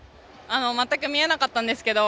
全く見えなかったんですけど